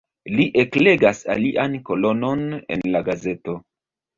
Li eklegas alian kolonon en la gazeto.